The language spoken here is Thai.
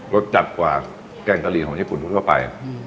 สจัดกว่าแกงกะหรี่ของญี่ปุ่นทั่วไป